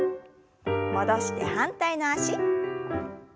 戻して反対の脚。